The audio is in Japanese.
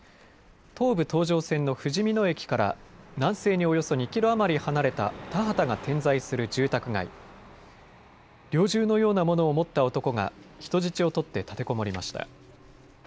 東武東上線のふじみ野駅から南西におよそ２キロ余り離れた田畑が点在する住宅街、猟銃のようなものを持った男が人質を取って立てこもりました。